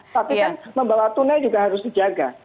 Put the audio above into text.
tapi kan membawa tunai juga harus dijaga